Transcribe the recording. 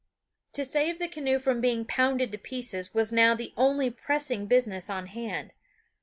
To save the canoe from being pounded to pieces was now the only pressing business on hand.